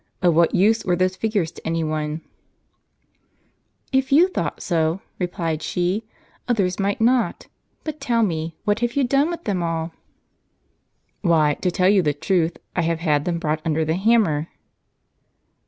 Of what use were those figures to any one ?" "If you thought so," replied she, "others might not. But tell me, what have you done with them all? " "Why, to tell you the truth, I have had them brought under the hammer."